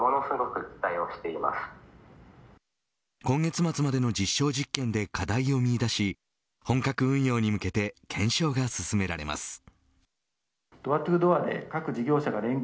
今月末までの実証実験で課題を見いだし本格運用に向けて検証が進められます。